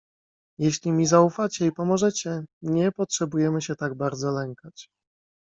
"Jeśli mi zaufacie i pomożecie, nie potrzebujemy się tak bardzo lękać."